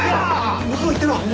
向こう行ってろ！